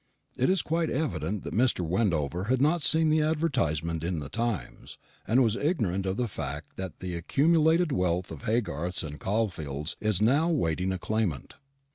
It is quite evident that Mr. Wendover had not seen the advertisement in the Times, and was ignorant of the fact that the accumulated wealth of Haygarths and Caulfields is now waiting a claimant.